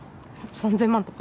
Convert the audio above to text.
３０００万とか？